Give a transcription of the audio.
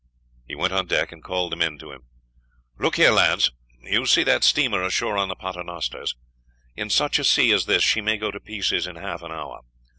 He went on deck again and called the men to him. "Look here, lads; you see that steamer ashore on the Paternosters. In such a sea as this she may go to pieces in half an hour.